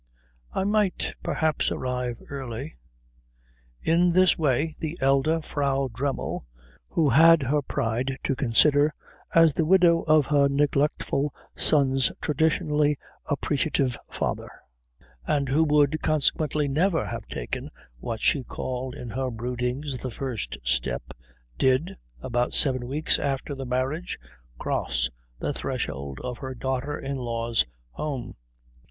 "I might, perhaps, arrive early." In this way the elder Frau Dremmel, who had her pride to consider as the widow of her neglectful son's traditionally appreciative father, and who would consequently never have taken what she called in her broodings the first step, did, about seven weeks after the marriage, cross the threshold of her daughter in law's home.